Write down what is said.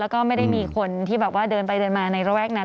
แล้วก็ไม่ได้มีคนที่แบบว่าเดินไปเดินมาในระแวกนั้น